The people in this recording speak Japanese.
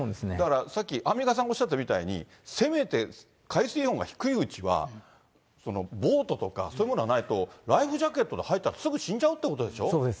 さっき、アンミカさんおっしゃったみたいに、せめて海水温が低いうちは、ボートとか、そういうものがないと、ライフジャケットで入ったら、そうです。